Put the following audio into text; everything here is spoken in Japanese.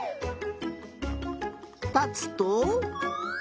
たつと。